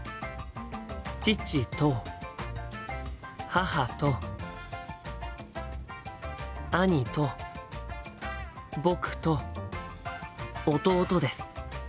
父と母と兄と僕と弟です。